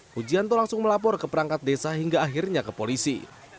hujianto langsung melapor ke perangkat desa hingga akhirnya ke polisi